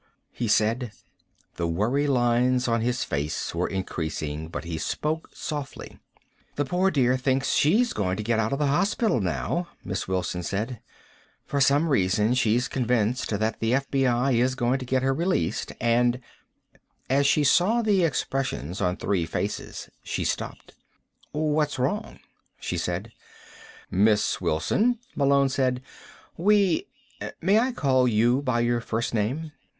he said. The worry lines on his face were increasing, but he spoke softly. "The poor dear thinks she's going to get out of the hospital now," Miss Wilson said. "For some reason, she's convinced that the FBI is going to get her released, and " As she saw the expressions on three faces, she stopped. "What's wrong?" she said. "Miss Wilson," Malone said, "we ... may I call you by your first name?"